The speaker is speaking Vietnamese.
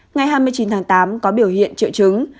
ngày hai mươi chín tháng tám có biểu hiện triệu chứng